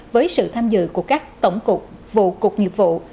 với sự tham dự của các tổng cục vụ cục nghiệp vụ